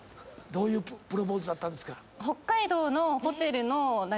どういうプロポーズだったんですか？